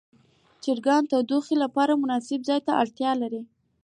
چرګان د تودوخې لپاره مناسب ځای ته اړتیا لري.